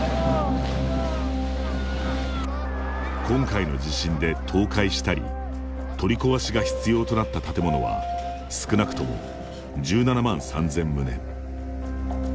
今回の地震で倒壊したり取り壊しが必要となった建物は少なくとも１７万３０００棟。